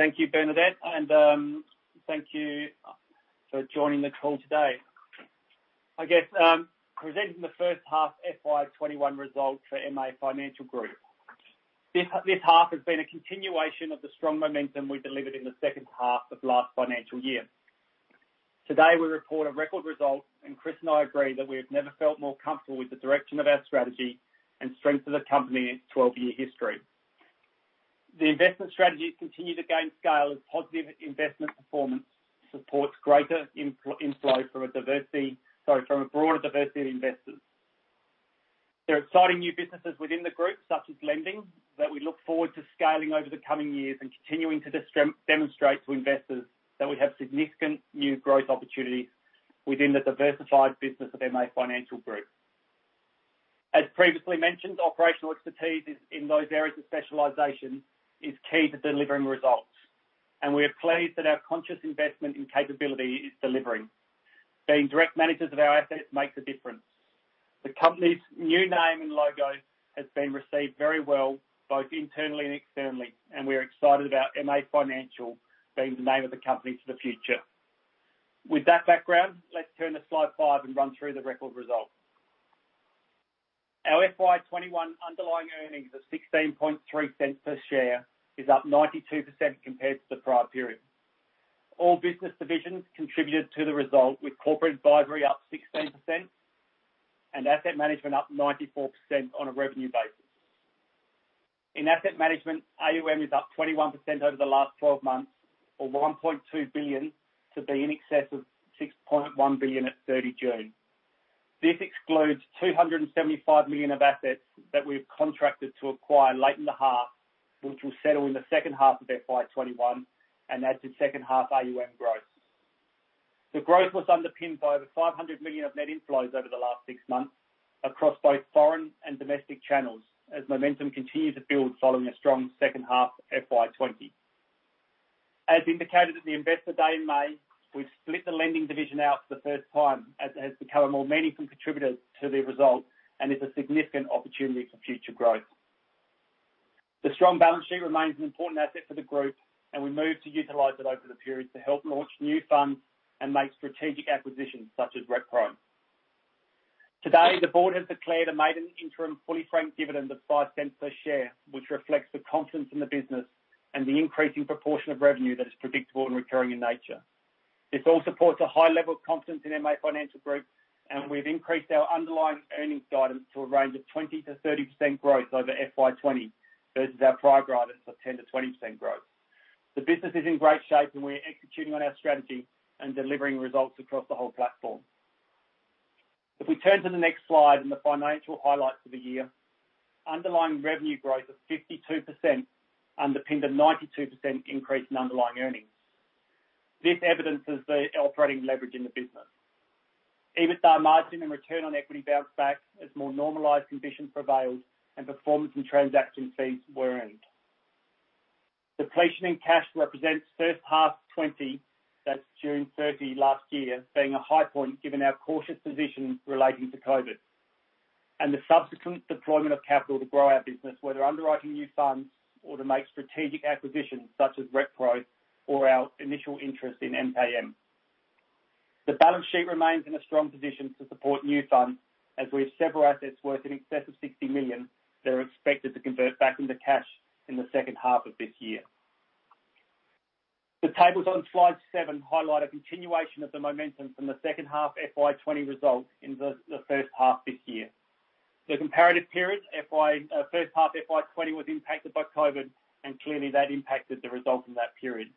Thank you, Bernadette, and thank you for joining the call today. I am presenting the first half FY 2021 results for MA Financial Group. This half has been a continuation of the strong momentum we delivered in the second half of last financial year. Today, we report a record result, and Chris and I agree that we have never felt more comfortable with the direction of our strategy and the strength of the company in its 12-year history. The investment strategies continue to gain scale as positive investment performance supports greater inflows from a broader diversity of investors. There are exciting new businesses within the group, such as lending, that we look forward to scaling over the coming years and continuing to demonstrate to investors that we have significant new growth opportunities within the diversified business of MA Financial Group. As previously mentioned, operational expertise in those areas of specialization is key to delivering results, and we are pleased that our conscious investment in capability is delivering. Being direct managers of our assets makes a difference. The company's new name and logo has been received very well, both internally and externally, and we are excited about MA Financial being the name of the company for the future. With that background, let's turn to Slide five and run through the record result. Our FY 2021 underlying earnings of 0.163 per share is up 92% compared to the prior period. All business divisions contributed to the result, with corporate advisory up 16% and asset management up 94% on a revenue basis. In asset management, AUM is up 21% over the last 12 months, or 1.2 billion, to be in excess of 6.1 billion at 30 June. This excludes 275 million of assets that we've contracted to acquire late in the half, which will settle in the second half of FY 2021 and add to second-half AUM growth. The growth was underpinned by over 500 million of net inflows over the last six months across both foreign and domestic channels, as momentum continued to build following a strong second half of FY 2020. As indicated at the Investor Day in May, we've split the lending division out for the first time, as it has become a more meaningful contributor to the result and is a significant opportunity for future growth. The strong balance sheet remains an important asset for the group, and we moved to utilize it over the period to help launch new funds and make strategic acquisitions such as RetPro. Today, the board has declared and made an interim fully franked dividend of 0.05 per share, which reflects the confidence in the business and the increasing proportion of revenue that is predictable and recurring in nature. This all supports a high level of confidence in MA Financial Group. We've increased our underlying earnings guidance to a range of 20%-30% growth over FY 2020 versus our prior guidance of 10%-20% growth. The business is in great shape, we are executing on our strategy and delivering results across the whole platform. If we turn to the next slide and the financial highlights of the year, the underlying revenue growth of 52% underpinned a 92% increase in underlying earnings. This evidences the operating leverage in the business. EBITDA margin and return on equity bounced back as more normalized conditions prevailed and performance and transaction fees were earned. Depletion in cash represents the first half of 2020, that's June 30 last year, being a high point given our cautious position relating to COVID and the subsequent deployment of capital to grow our business, whether underwriting new funds or to make strategic acquisitions such as RetPro or our initial interest in MKM. The balance sheet remains in a strong position to support new funds, as we have several assets worth in excess of 60 million that are expected to convert back into cash in the second half of this year. The tables on Slide seven highlight a continuation of the momentum from the second half of FY 2020 results in the first half of this year. The comparative period, the first half of FY 2020, was impacted by COVID, and clearly that impacted the result in that period.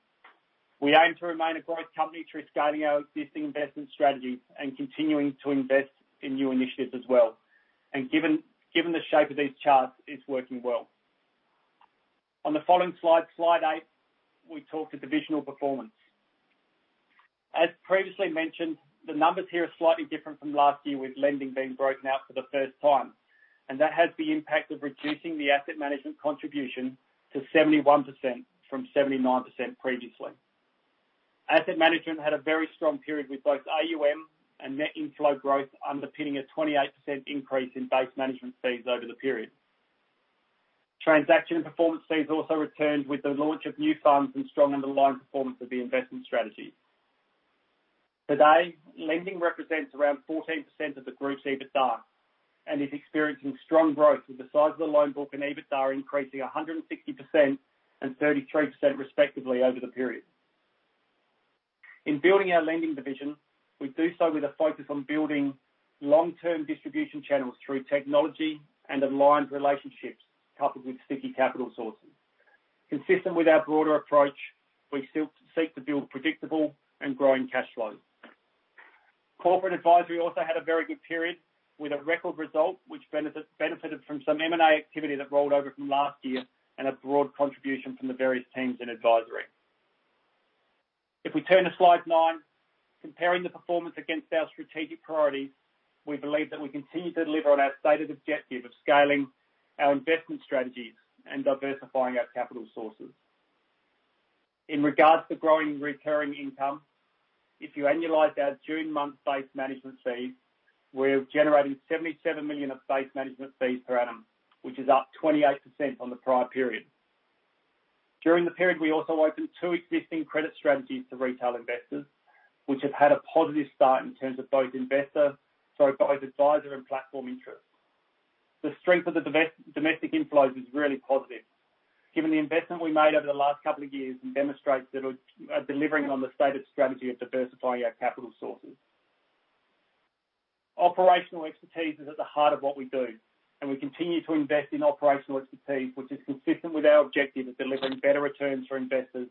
We aim to remain a growth company through scaling our existing investment strategies and continuing to invest in new initiatives as well. Given the shape of these charts, it's working well. On the following Slide eight, we talk to divisional performance. As previously mentioned, the numbers here are slightly different from last year, with lending being broken out for the first time, and that has the impact of reducing the asset management contribution to 71% from 79% previously. Asset management had a very strong period, with both AUM and net inflow growth underpinning a 28% increase in base management fees over the period. Transaction performance fees also returned with the launch of new funds and the strong underlying performance of the investment strategies. Today, lending represents around 14% of the group's EBITDA and is experiencing strong growth, with the size of the loan book and EBITDA increasing 160% and 33%, respectively, over the period. In building our lending division, we do so with a focus on building long-term distribution channels through technology and aligned relationships, coupled with sticky capital sources. Consistent with our broader approach, we still seek to build predictable and growing cash flows. Corporate advisory also had a very good period with a record result, which benefited from some M&A activity that rolled over from last year and a broad contribution from the various teams in advisory. If we turn to Slide nine, comparing the performance against our strategic priorities, we believe that we continue to deliver on our stated objective of scaling our investment strategies and diversifying our capital sources. In regard to growing recurring income. If you annualize our June month base management fees, we're generating 77 million of base management fees per annum, which is up 28% on the prior period. During the period, we also opened two existing credit strategies to retail investors, which have had a positive start in terms of sorry, both advisor and platform interest. The strength of the domestic inflows is really positive, given the investment we made over the last couple of years, and demonstrates that we're delivering on the stated strategy of diversifying our capital sources. Operational expertise is at the heart of what we do, and we continue to invest in operational expertise, which is consistent with our objective of delivering better returns for investors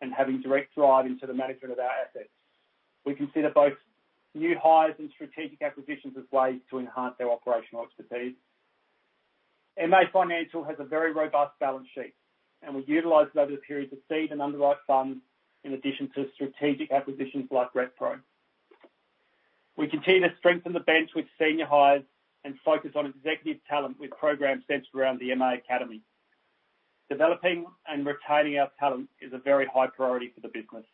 and having direct drive into the management of our assets. We consider both new hires and strategic acquisitions as ways to enhance our operational expertise. MA Financial has a very robust balance sheet. We've utilized it over the period to seed and underwrite funds in addition to strategic acquisitions like RetPro. We continue to strengthen the bench with senior hires and focus on executive talent with programs centered around the MA Academy. Developing and retaining our talent is a very high priority for the business.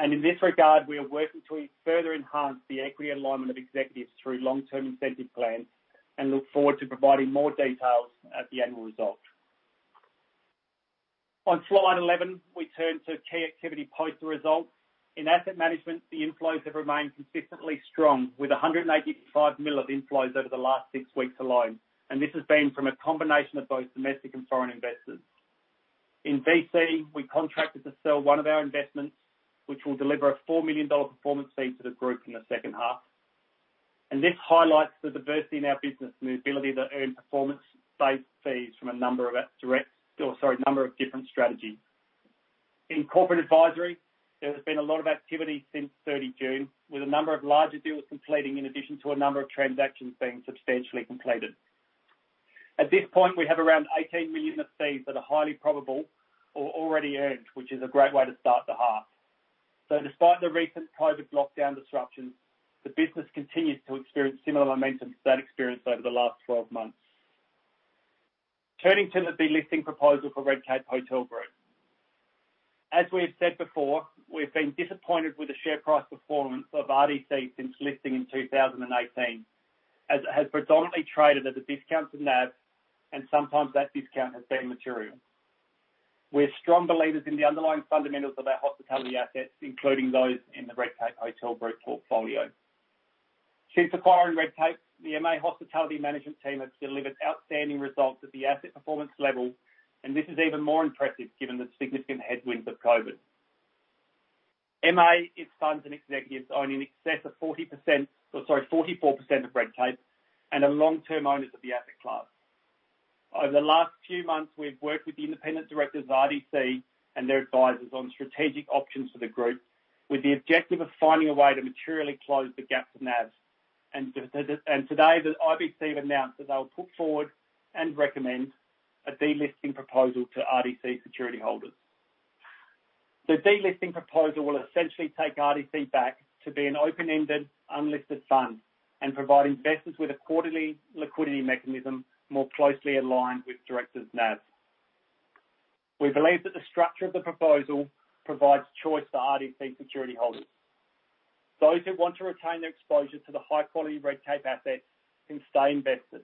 In this regard, we are working to further enhance the equity alignment of executives through long-term incentive plans and look forward to providing more details at the annual results. On Slide 11, we turn to key activity post the results. In asset management, the inflows have remained consistently strong, with 185 million of inflows over the last six weeks alone. This has been from a combination of both domestic and foreign investors. In VC, we contracted to sell one of our investments, which will deliver an 4 million dollar performance fee to the group in the second half. This highlights the diversity in our business and the ability to earn performance-based fees from a number of different strategies. In corporate advisory, there has been a lot of activity since 30 June, with a number of larger deals completing, in addition to a number of transactions being substantially completed. At this point, we have around 18 million of fees that are highly probable or already earned, which is a great way to start the half. Despite the recent COVID lockdown disruptions, the business continues to experience similar momentum to that experienced over the last 12 months. Turning to the delisting proposal for Redcape Hotel Group. As we have said before, we've been disappointed with the share price performance of RDC since listing in 2018, as it has predominantly traded at a discount to NAV, and sometimes that discount has been material. We're strong believers in the underlying fundamentals of our hospitality assets, including those in the Redcape Hotel Group portfolio. Since acquiring Redcape, the MA Hospitality management team has delivered outstanding results at the asset performance level, and this is even more impressive given the significant headwinds of COVID. MA, its funds and executives own in excess of 40%, or sorry, 44% of Redcape and are long-term owners of the asset class. Over the last few months, we've worked with the independent directors of RDC and their advisors on strategic options for the group, with the objective of finding a way to materially close the gap NAV. Today, the RBC have announced that they'll put forward and recommend a delisting proposal to RDC security holders. The delisting proposal will essentially take RDC back to being an open-ended, unlisted fund and provide investors with a quarterly liquidity mechanism more closely aligned with directors' NAV. We believe that the structure of the proposal provides choice to RDC security holders. Those who want to retain their exposure to the high-quality Redcape assets can stay invested.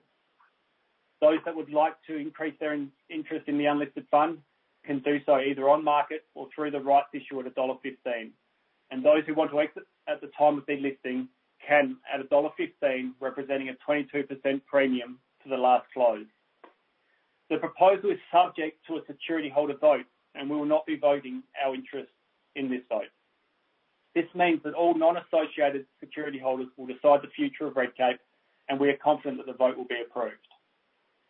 Those that would like to increase their interest in the unlisted fund can do so either on market or through the rights issue at AUD 1.15. Those who want to exit at the time of delisting can at AUD 1.15, representing a 22% premium to the last close. The proposal is subject to a security holder vote, and we will not be voting our interest in this vote. This means that all non-associated security holders will decide the future of Redcape. We are confident that the vote will be approved.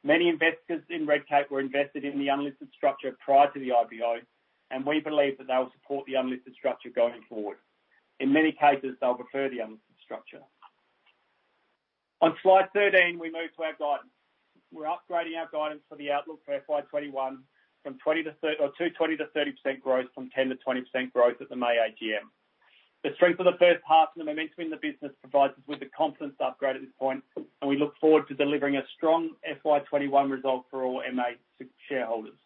Many investors in Redcape were invested in the unlisted structure prior to the IPO. We believe that they will support the unlisted structure going forward. In many cases, they'll prefer the unlisted structure. On Slide 13, we move to our guidance. We're upgrading our guidance for the outlook for FY 2021 from 20%-30% growth from 10%-20% growth at the May AGM. The strength of the first half and the momentum in the business provides us with the confidence to upgrade at this point. We look forward to delivering a strong FY 2021 result for all MA shareholders.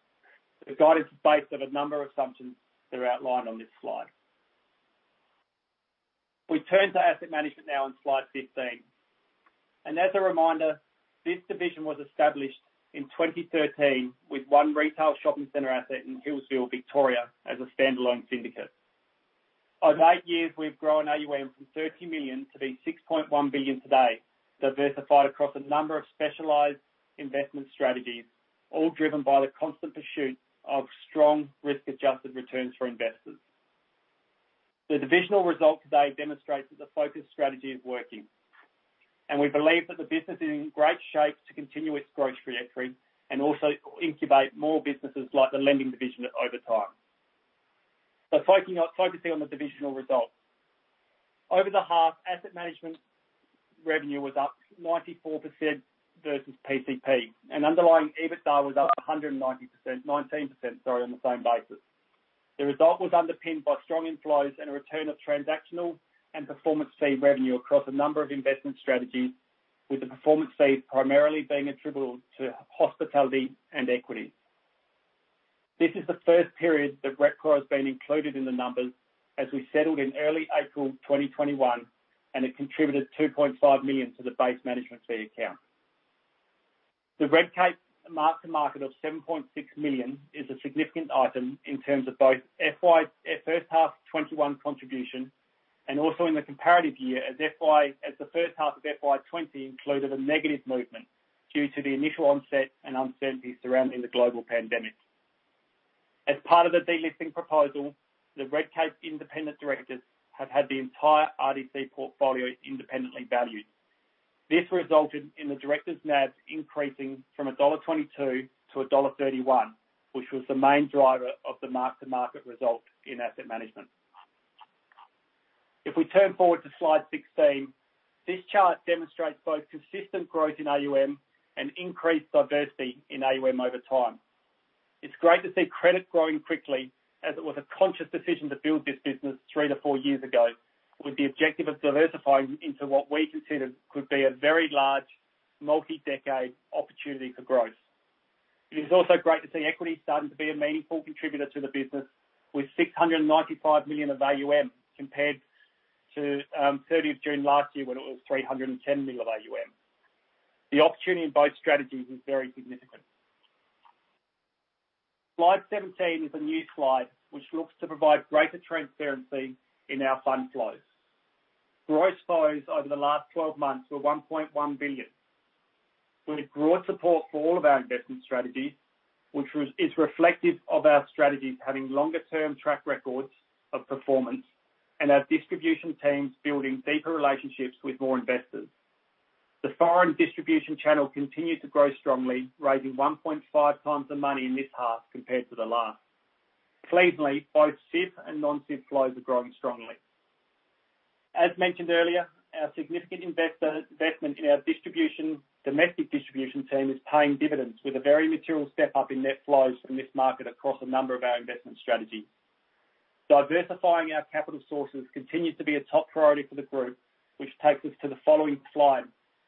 The guidance is based on a number of assumptions that are outlined on this slide. We turn to asset management on Slide 15. As a reminder, this division was established in 2013 with one retail shopping center asset in Victoria, as a standalone syndicate. Over eight years, we've grown AUM from 30 million to be 6.1 billion today, diversified across a number of specialized investment strategies, all driven by the constant pursuit of strong, risk-adjusted returns for investors. The divisional result today demonstrates that the focus strategy is working. We believe that the business is in great shape to continue its growth trajectory and also incubate more businesses like the lending division over time. Focusing on the divisional results. Over the half, asset management revenue was up 94% versus PCP, underlying EBITDA was up 19%, sorry, on the same basis. The result was underpinned by strong inflows and a return of transactional and performance fee revenue across a number of investment strategies, with the performance fees primarily being attributable to hospitality and equity. This is the first period that RetPro has been included in the numbers, as we settled in early April 2021, and it contributed 2.5 million to the base management fee account. The Redcape mark to market of 7.6 million is a significant item in terms of both first half 2021 contribution and also in the comparative year, as the first half of FY 2020 included a negative movement due to the initial onset and uncertainty surrounding the global pandemic. As part of the delisting proposal, the Redcape independent directors have had the entire RDC portfolio independently valued. This resulted in the directors' NAV increasing from 1.22-1.31 dollar, which was the main driver of the mark-to-market result in asset management. If we turn forward to Slide 16, this chart demonstrates both consistent growth in AUM and increased diversity in AUM over time. It's great to see credit growing quickly, as it was a conscious decision to build this business three-four years ago with the objective of diversifying into what we considered could be a very large, multi-decade opportunity for growth. It is also great to see equity starting to be a meaningful contributor to the business with 695 million of AUM compared to 30th June last year when it was 310 million of AUM. The opportunity in both strategies is very significant. Slide 17 is a new slide, which looks to provide greater transparency in our fund flows. Gross flows over the last 12 months were 1.1 billion. We had broad support for all of our investment strategies, which is reflective of our strategies having longer-term track records of performance and our distribution teams building deeper relationships with more investors. The foreign distribution channel continued to grow strongly, raising 1.5x the money in this half compared to the last. Pleasingly, both SIV and non-SIV flows are growing strongly. As mentioned earlier, our significant investment in our domestic distribution team is paying dividends with a very material step-up in net flows from this market across a number of our investment strategies. Diversifying our capital sources continues to be a top priority for the group, which takes us to the following slide,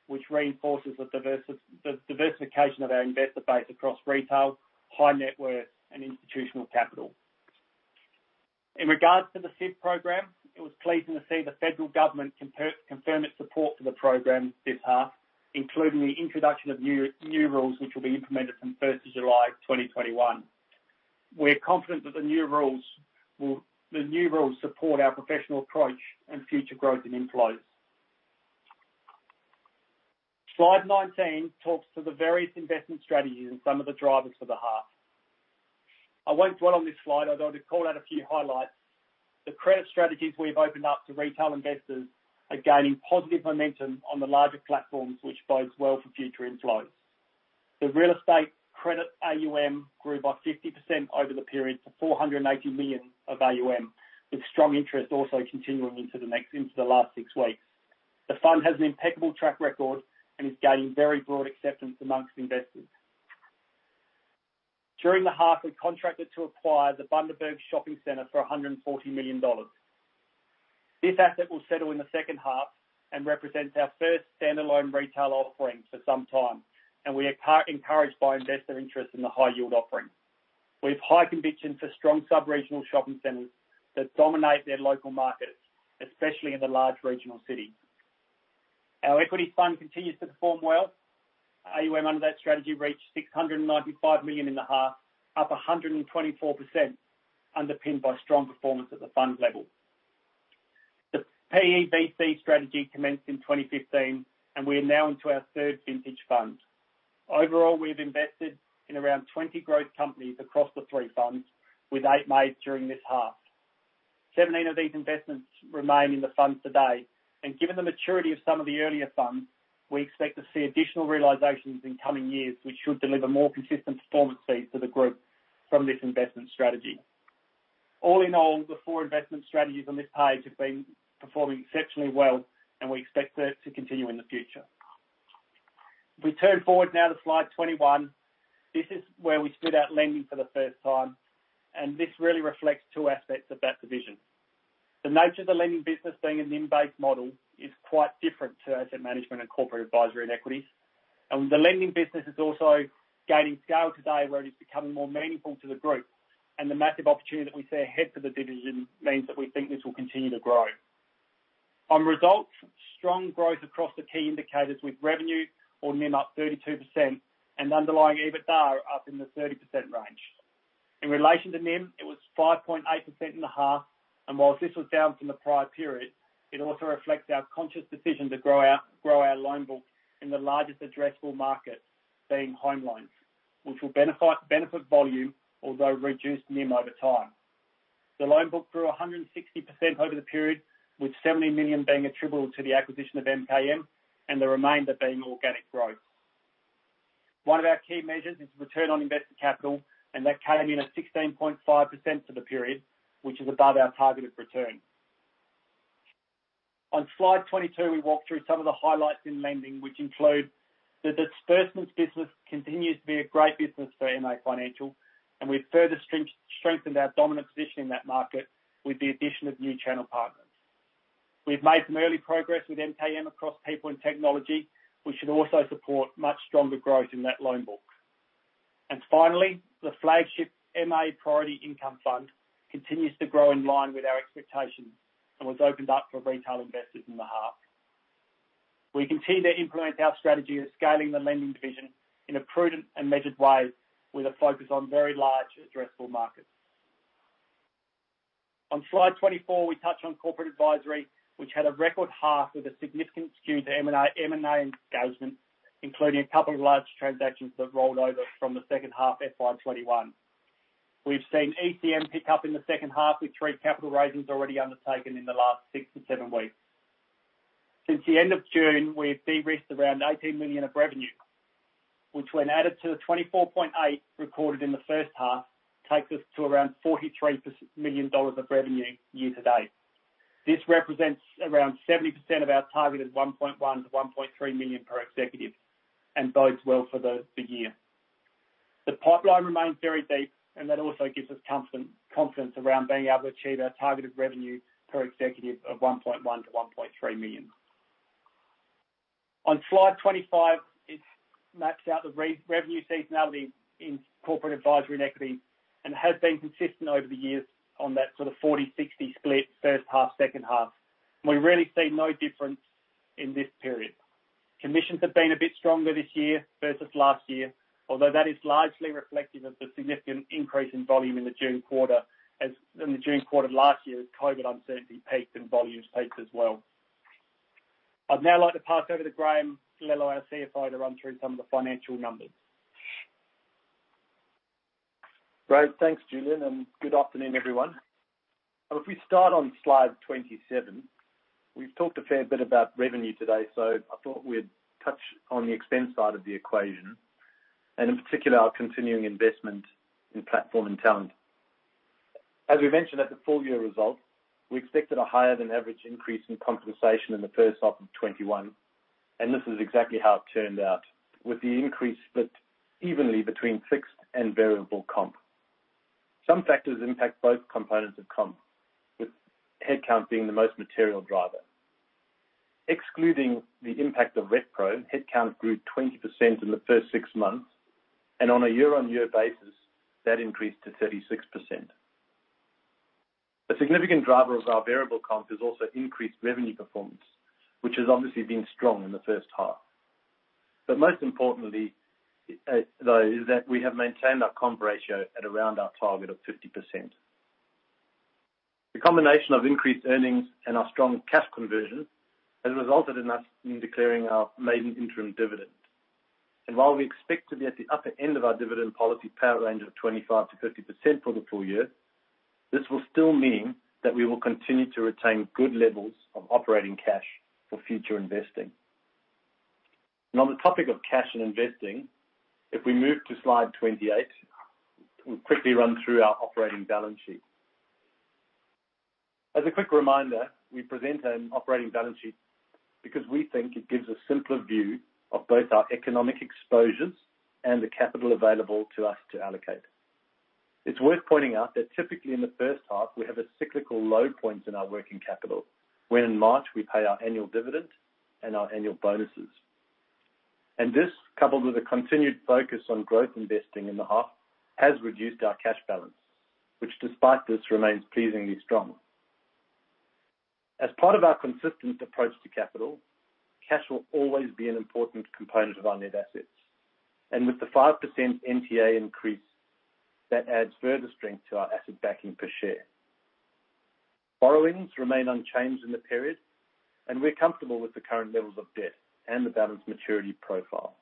which reinforces the diversification of our investor base across retail, high net worth, and institutional capital. In regards to the SIV program, it was pleasing to see the federal government confirm its support for the program this half, including the introduction of new rules which will be implemented from 1st of July 2021. We're confident that the new rules will support our professional approach and future growth in inflows. Slide 19 talks to the various investment strategies and some of the drivers for the half. I won't dwell on this slide, although I'd call out a few highlights. The credit strategies we've opened up to retail investors are gaining positive momentum on the larger platforms, which bodes well for future inflows. The real estate credit AUM grew by 50% over the period to 480 million of AUM, with strong interest also continuing into the last six weeks. The fund has an impeccable track record and is gaining very broad acceptance amongst investors. During the half, we contracted to acquire the Bundaberg shopping centre for 140 million dollars. This asset will settle in the second half and represents our first standalone retail offering for some time. We are encouraged by investor interest in the high-yield offering. We have high conviction for strong sub-regional shopping centers that dominate their local markets, especially in the large regional cities. Our equity fund continues to perform well. AUM under that strategy reached 695 million in the half, up 124%, underpinned by strong performance at the fund level. The PE VC strategy commenced in 2015. We are now into our third vintage fund. Overall, we've invested in around 20 growth companies across the three funds, with eight made during this half. 17 of these investments remain in the fund today. Given the maturity of some of the earlier funds, we expect to see additional realizations in the coming years, which should deliver more consistent performance fees to the group from this investment strategy. All in all, the four investment strategies on this page have been performing exceptionally well. We expect that to continue in the future. We turn forward now to slide 21. This is where we split out lending for the first time. This really reflects two aspects of that division. The nature of the lending business, being a NIM-based model, is quite different to asset management and corporate advisory and equities. The lending business is also gaining scale today, where it is becoming more meaningful to the group, and the massive opportunity that we see ahead for the division means that we think this will continue to grow. On results, strong growth across the key indicators with revenue or NIM up 32% and underlying EBITDA up in the 30% range. In relation to NIM, it was 5.8% in the half, and whilst this was down from the prior period, it also reflects our conscious decision to grow our loan book in the largest addressable market being home loans, which will benefit volume, although reduce NIM over time. The loan book grew 160% over the period, with 70 million being attributable to the acquisition of MKM and the remainder being organic growth. One of our key measures is return on investor capital, and that came in at 16.5% for the period, which is above our targeted return. On Slide 22, we walk through some of the highlights in lending, which include the disbursements business continues to be a great business for MA Financial, and we've further strengthened our dominant position in that market with the addition of new channel partners. We've made some early progress with MKM across people and technology, which should also support much stronger growth in that loan book. Finally, the flagship MA Priority Income Fund continues to grow in line with our expectations and was opened up for retail investors in the half. We continue to implement our strategy of scaling the lending division in a prudent and measured way with a focus on very large addressable markets. On Slide 24, we touch on corporate advisory, which had a record half with a significant skew to M&A engagement, including a couple of large transactions that rolled over from the second half of FY 2021. We've seen ECM pick up in the second half with three capital raisings already undertaken in the last six-seven weeks. Since the end of June, we've de-risked around 18 million of revenue, which, when added to the 24.8 million recorded in the first half, takes us to around 43 million dollars of revenue year-to-date. This represents around 70% of our targeted 1.1 million-1.3 million per executive and bodes well for the year. The pipeline remains very deep and that also gives us confidence around being able to achieve our targeted revenue per executive of 1.1 million-1.3 million. On Slide 25, it's mapped out the revenue seasonality in corporate advisory and equity and has been consistent over the years on that sort of 40/60 split first half, second half. We really see no difference in this period. Commissions have been a bit stronger this year versus last year, although that is largely reflective of the significant increase in volume in the June quarter, as in the June quarter of last year, as COVID uncertainty peaked and volumes peaked as well. I'd now like to pass over to Graham Lello, our CFO, to run through some of the financial numbers. Great. Thanks, Julian. Good afternoon, everyone. If we start on Slide 27, we've talked a fair bit about revenue today, so I thought we'd touch on the expense side of the equation and, in particular, our continuing investment in platform and talent. As we mentioned at the full-year results, we expected a higher-than-average increase in compensation in the first half of 2021, and this is exactly how it turned out, with the increase split evenly between fixed and variable comp. Some factors impact both components of comp, with headcount being the most material driver. Excluding the impact of RetPro, headcount grew 20% in the first six months, and on a year-on-year basis, that increased to 36%. A significant driver of our variable comp is also increased revenue performance, which has obviously been strong in the first half. Most importantly, though, is that we have maintained our comp ratio at around our target of 50%. The combination of increased earnings and our strong cash conversion has resulted in us in declaring our maiden interim dividend. While we expect to be at the upper end of our dividend policy payout range of 25%-50% for the full year, this will still mean that we will continue to retain good levels of operating cash for future investing. On the topic of cash and investing, if we move to Slide 28, we'll quickly run through our operating balance sheet. As a quick reminder, we present an operating balance sheet because we think it gives a simpler view of both our economic exposures and the capital available to us to allocate. It's worth pointing out that typically in the first half, we have a cyclical low point in our working capital, when in March we pay our annual dividend and our annual bonuses. This, coupled with a continued focus on growth investing in the half, has reduced our cash balance, which, despite this, remains pleasingly strong. As part of our consistent approach to capital, cash will always be an important component of our net assets. With the 5% NTA increase, that adds further strength to our asset backing per share. Borrowings remain unchanged in the period, and we're comfortable with the current levels of debt and the balance maturity profile.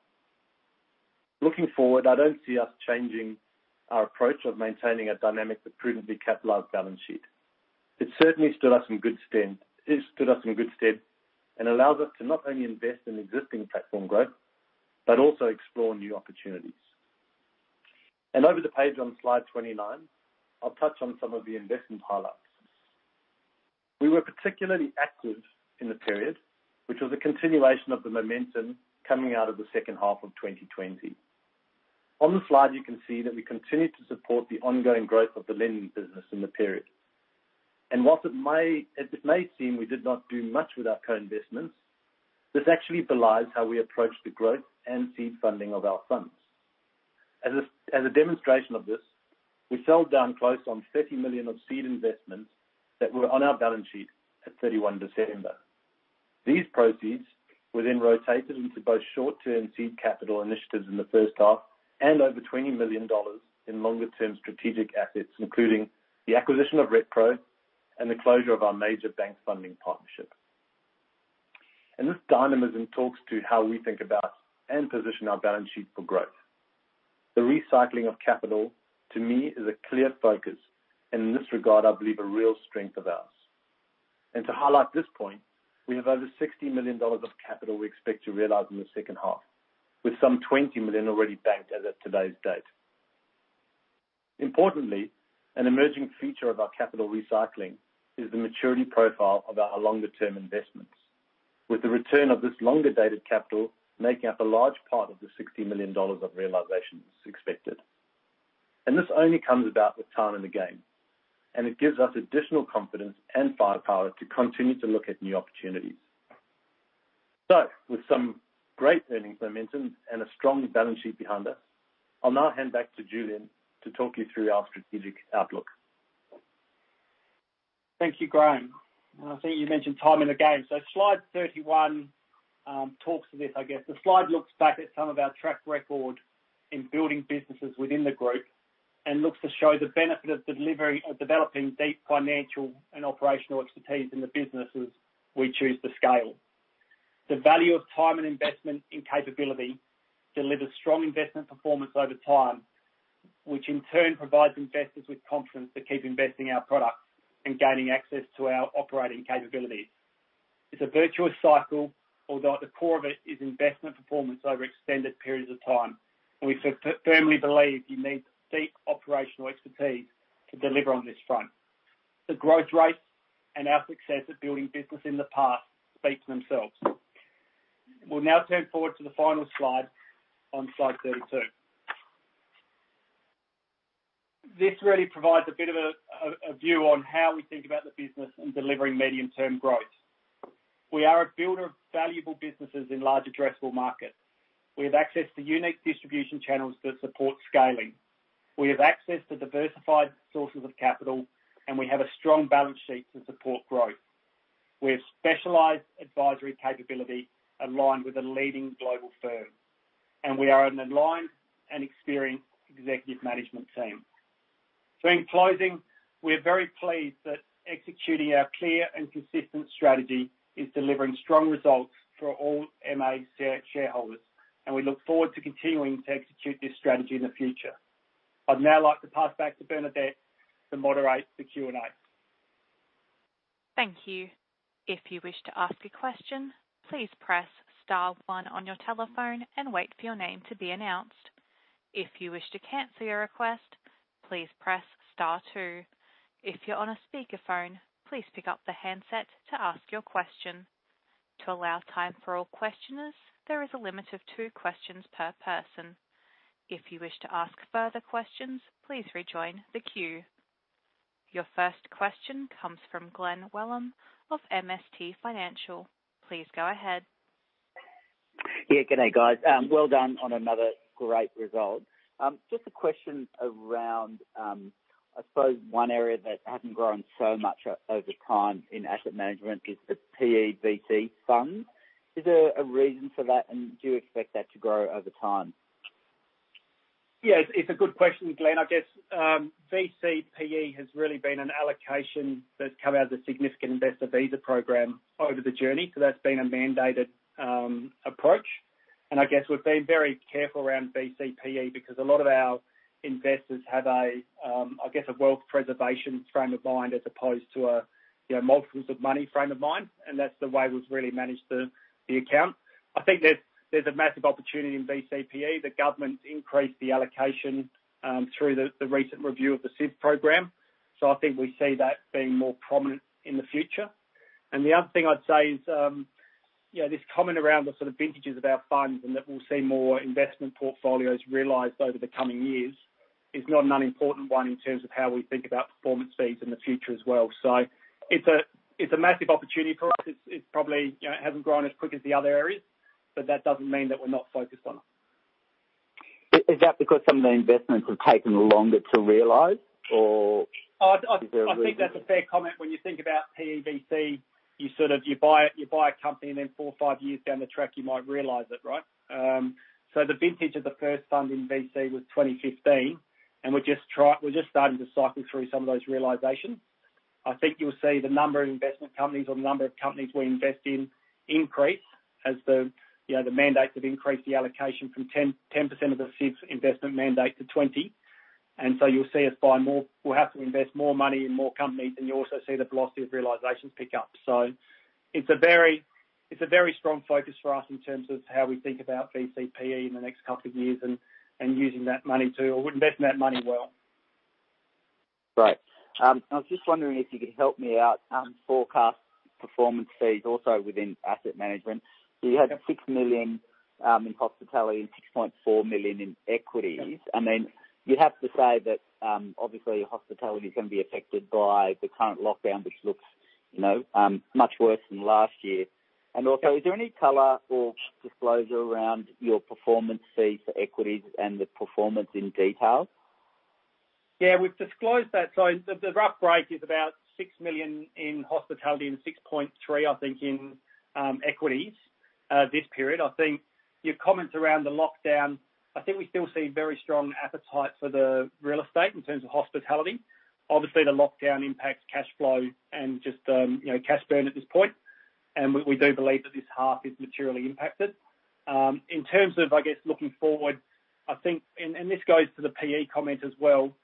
Looking forward, I don't see us changing our approach of maintaining a dynamic but prudently capitalized balance sheet. It certainly stood us in good stead and allows us to not only invest in existing platform growth, but also explore new opportunities. Over the page on Slide 29, I'll touch on some of the investment highlights. We were particularly active in the period, which was a continuation of the momentum coming out of the second half of 2020. On the slide, you can see that we continued to support the ongoing growth of the lending business in the period. Whilst as it may seem we did not do much with our co-investments, this actually belies how we approach the growth and seed funding of our funds. As a demonstration of this, we sold down close on 30 million of seed investments that were on our balance sheet at 31 December. These proceeds were rotated into both short-term seed capital initiatives in the first half and over 20 million dollars in longer-term strategic assets, including the acquisition of RetPro and the closure of our major bank funding partnership. This dynamism talks to how we think about and position our balance sheet for growth. The recycling of capital, to me, is a clear focus, and in this regard, I believe a real strength of ours. To highlight this point, we have over 60 million dollars of capital we expect to realize in the second half, with some 20 million already banked as of today's date. Importantly, an emerging feature of our capital recycling is the maturity profile of our longer-term investments. With the return of this longer dated capital, making up a large part of the 60 million dollars of realizations expected. This only comes about with time in the game, and it gives us additional confidence and firepower to continue to look at new opportunities. With some great earnings momentum and a strong balance sheet behind us, I'll now hand back to Julian to talk you through our strategic outlook. Thank you, Graham. I think you mentioned time in the game. Slide 31 talks to this, I guess. The slide looks back at some of our track record in building businesses within the group and looks to show the benefit of delivering or developing deep financial and operational expertise in the businesses we choose to scale. The value of time and investment in capability delivers strong investment performance over time, which in turn provides investors with confidence to keep investing in our products and gaining access to our operating capabilities. It's a virtuous cycle, although at the core of it is investment performance over extended periods of time. We firmly believe you need deep operational expertise to deliver on this front. The growth rates and our success at building business in the past speak for themselves. We'll now turn forward to the final slide on Slide 32. This really provides a bit of a view on how we think about the business and delivering medium-term growth. We are a builder of valuable businesses in large addressable markets. We have access to unique distribution channels that support scaling. We have access to diversified sources of capital, and we have a strong balance sheet to support growth. We have specialized advisory capability aligned with a leading global firm, and we are an aligned and experienced executive management team. In closing, we are very pleased that executing our clear and consistent strategy is delivering strong results for all MA shareholders, and we look forward to continuing to execute this strategy in the future. I'd now like to pass back to Bernadette to moderate the Q&A. Thank you. If you wish to ask a question, please press star one on your telephone and wait for your name to be announced. If you wish to cancel your request, please press star two. If you're on a speakerphone, please pick up the handset to ask your question. To allow time for all questioners, there is a limit of two questions per person. If you wish to ask further questions, please rejoin the queue. Your first question comes from Glen Wellham of MST Financial. Please go ahead. Yeah. Good day, guys. Well done on another great result. Just a question around, I suppose one area that hasn't grown so much over time in asset management is the PE VC fund. Is there a reason for that, and do you expect that to grow over time? Yeah. It's a good question, Glen. I guess VC PE has really been an allocation that's come out of the Significant Investor Visa program over the journey. That's been a mandated approach, and I guess we've been very careful around VC PE because a lot of our investors have a, I guess, a wealth preservation frame of mind as opposed to a multiples of money frame of mind, and that's the way we've really managed the account. I think there's a massive opportunity in VC PE. The government increased the allocation through the recent review of the SIV program. I think we see that being more prominent in the future. The other thing I'd say is, this comment around the sort of vintages of our funds and that we'll see more investment portfolios realized over the coming years is not an unimportant one in terms of how we think about performance fees in the future as well. It's a massive opportunity for us. It probably hasn't grown as quick as the other areas, but that doesn't mean that we're not focused on it. Is that because some of the investments have taken longer to realize, or is there a reason? I think that's a fair comment. When you think about PE VC, you buy a company and then four-five years down the track, you might realize it, right? The vintage of the first fund in VC was 2015, and we're just starting to cycle through some of those realizations. I think you'll see the number of investment companies or the number of companies we invest in increase as the mandates have increased the allocation from 10% of the SIV's investment mandate to 20%. You'll see us buy more. We'll have to invest more money in more companies, and you also see the velocity of realizations pick up. It's a very strong focus for us in terms of how we think about VC PE in the next couple of years and using that money to or investing that money well. I was just wondering if you could help me out forecast performance fees also within asset management. You had 6 million in hospitality and 6.4 million in equities. Then you'd have to say that, obviously, hospitality is going to be affected by the current lockdown, which looks much worse than last year. Also, is there any color or disclosure around your performance fees for equities, and the performance in detail? Yeah, we've disclosed that. The rough break is about 6 million in hospitality and 6.3, I think, in equities this period. Your comments around the lockdown, I think we still see very strong appetite for the real estate in terms of hospitality. Obviously, the lockdown impacts cash flow and just cash burn at this point, and we do believe that this half is materially impacted. In terms of, I guess, looking forward, I think, and this goes to the PE comment as well,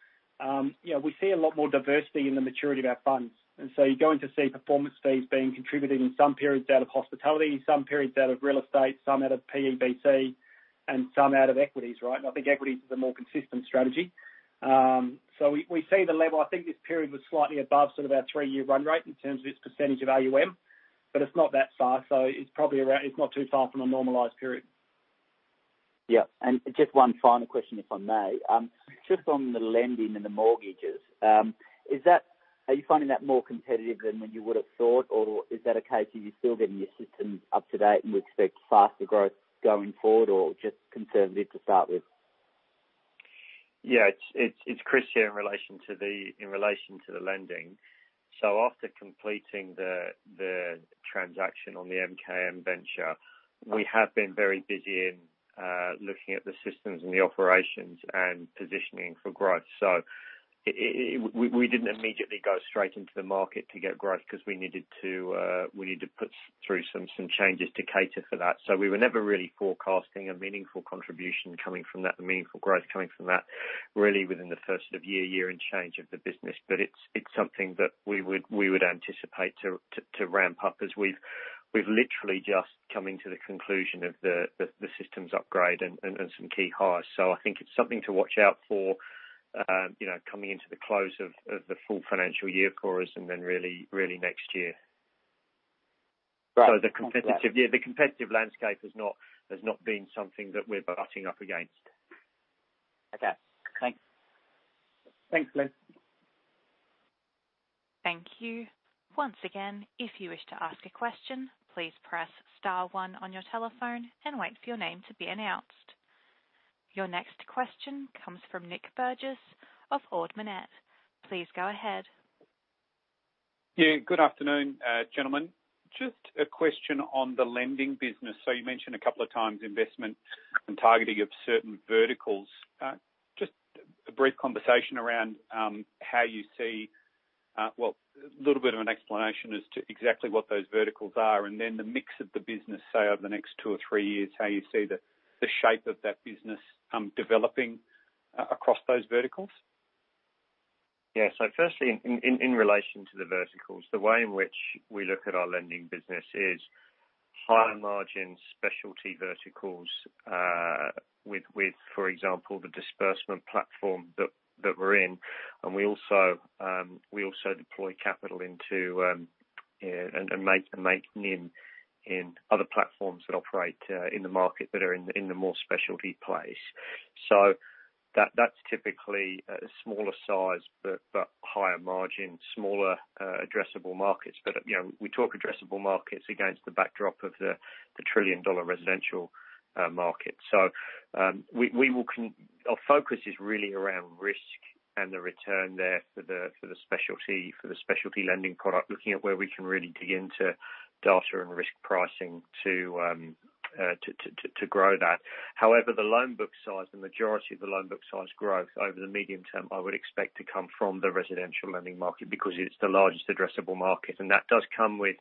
we see a lot more diversity in the maturity of our funds. You're going to see performance fees being contributed in some periods out of hospitality, some periods out of real estate, some out of PE VC, and some out of equities, right? I think equities is a more consistent strategy. We see the level. I think this period was slightly above sort of our three-year run rate in terms of its percentage of AUM. It's not that far, so it's not too far from a normalized period. Yeah. Just one final question, if I may. Just on the lending and the mortgages. Are you finding that more competitive than when you would've thought or is that a case of you still getting your systems up to date, and we expect faster growth going forward, or just conservative to start with? Yeah. It's Chris here in relation to the lending. After completing the transaction on the MKM venture, we have been very busy in looking at the systems and the operations and positioning for growth. We didn't immediately go straight into the market to get growth because we needed to put through some changes to cater for that. We were never really forecasting a meaningful contribution coming from that, a meaningful growth coming from that, really within the first sort of year and change of the business. It's something that we would anticipate to ramp up as we've literally just coming to the conclusion of the systems upgrade and some key hires. I think it's something to watch out for coming into the close of the full financial year, of course and then really next year. Right. The competitive landscape has not been something that we're butting up against. Okay. Thanks. Thanks, Glen. Thank you. Once again, if you wish to ask a question, please press star one on your telephone and wait for your name to be announced. Your next question comes from Nic Burgess of Ord Minnett. Please go ahead. Yeah. Good afternoon, gentlemen. Just a question on the lending business. You mentioned a couple of times the investment and targeting of certain verticals. Just a brief conversation around how you see, well, a little bit of an explanation as to exactly what those verticals are, and then the mix of the business, say over the next two or three years, how you see the shape of that business developing across those verticals. Yeah. Firstly, in relation to the verticals, the way in which we look at our lending business is higher margin specialty verticals, with, for example, the disbursement platform that we're in. We also deploy capital into, and make NIM in other platforms that operate in the market that are in the more specialty place. That's typically a smaller size, but higher margin, smaller addressable markets. We talk addressable markets against the backdrop of the trillion-dollar residential market. Our focus is really around risk and the return there for the specialty lending product, looking at where we can really dig into data and risk pricing to grow that. However, the loan book size, the majority of the loan book size growth over the medium term, I would expect to come from the residential lending market because it's the largest addressable market, and that does come with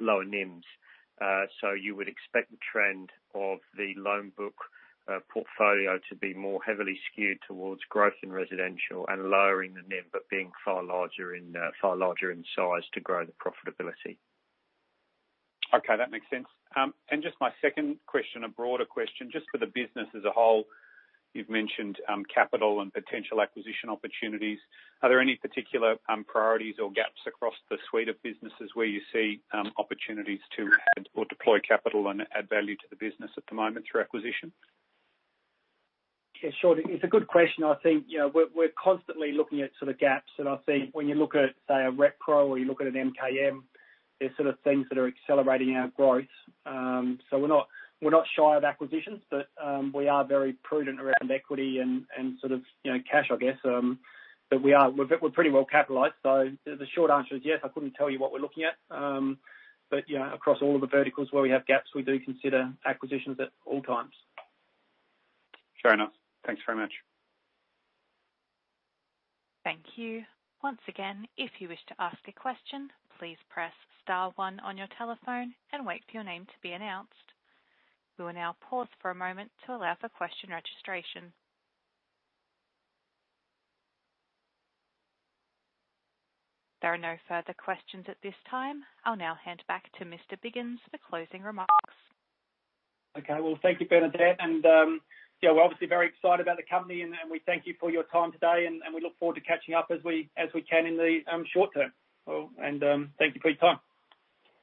lower NIMs. You would expect the trend of the loan book portfolio to be more heavily skewed towards growth in residential and lowering the NIM, but being far larger in size to grow the profitability. Okay, that makes sense. Just my second question, a broader question, just for the business as a whole. You've mentioned capital and potential acquisition opportunities. Are there any particular priorities or gaps across the suite of businesses where you see opportunities to deploy capital and add value to the business at the moment through acquisition? Yeah, sure. It's a good question. I think we're constantly looking at sort of gaps, and I think when you look at, say, a RetPro or you look at an MKM, they're sort of things that are accelerating our growth. We're not shy of acquisitions, but we are very prudent around equity and sort of cash, I guess. We're pretty well capitalized. The short answer is yes. I couldn't tell you what we're looking at. Yeah, across all of the verticals where we have gaps, we do consider acquisitions at all times. Fair enough. Thanks very much. Thank you. Once again, if you wish to ask a question, please press star one on your telephone and wait for your name to be announced. We will now pause for a moment to allow for question registration. There are no further questions at this time. I'll now hand back to Mr. Biggins for closing remarks. Okay. Well, thank you, Bernadette. Yeah, we're obviously very excited about the company, and we thank you for your time today, and we look forward to catching up as we can in the short term. Thank you for your time.